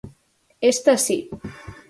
Esta si.